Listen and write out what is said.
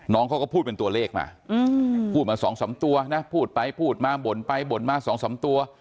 น้องเขาก็พูดเป็นตัวเลขมาพูดมา๒๓ตัวนะพูดไปพูดมาบ่นไปบ่นมา๒๓ตัว